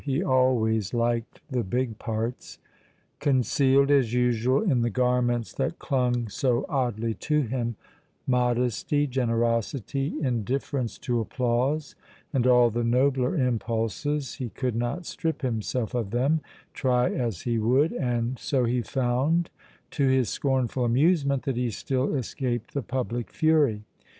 He always liked the big parts. Concealed, as usual, in the garments that clung so oddly to him, modesty, generosity, indifference to applause and all the nobler impulses, he could not strip himself of them, try as he would, and so he found, to his scornful amusement, that he still escaped the public fury.